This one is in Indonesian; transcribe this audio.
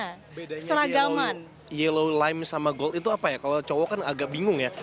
bedanya yellow yellow lime sama gold itu apa ya kalau cowok kan agak bingung ya